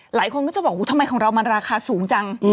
หลายคนก็จะบอกทำไมของเรามันราคาสูงจัง